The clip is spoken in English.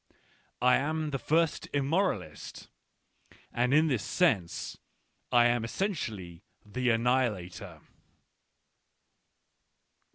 I am the first immoralist, and in this sense^lim essentially the annihilator.